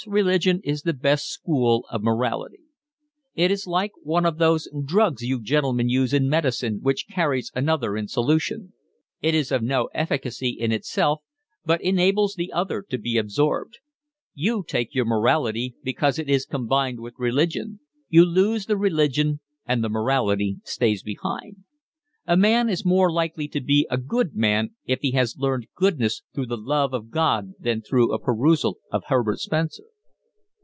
Perhaps religion is the best school of morality. It is like one of those drugs you gentlemen use in medicine which carries another in solution: it is of no efficacy in itself, but enables the other to be absorbed. You take your morality because it is combined with religion; you lose the religion and the morality stays behind. A man is more likely to be a good man if he has learned goodness through the love of God than through a perusal of Herbert Spencer."